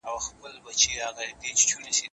که موږ په ګډه کار وکړو، بریالي کېږو.